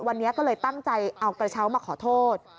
วันนี้ก็เลยตั้งใจเอากระเช้ามาขอโทษ